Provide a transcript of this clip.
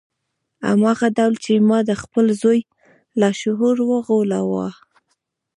هماغه ډول چې ما د خپل زوی لاشعور وغولاوه